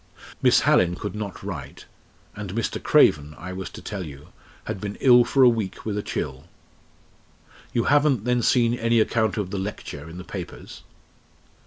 Miss Hallin could not write, and Mr. Craven, I was to tell you, had been ill for a week with a chill. You haven't then seen any account of the lecture in the papers?"